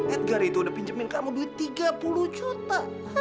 edgar itu udah pinjemin kamu duit tiga puluh juta